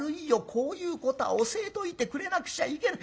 こういうことは教えといてくれなくちゃいけな。